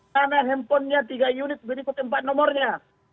mana handphonenya tiga unit berikut empat nomornya